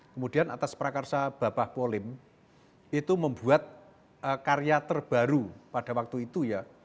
kemudian atas prakarsa babah polim itu membuat karya terbaru pada waktu itu ya